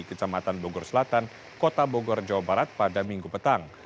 kecamatan bogor selatan kota bogor jawa barat pada minggu petang